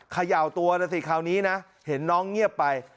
เขย่าตัวนะสิคราวนี้นะเห็นน้องเงียบไป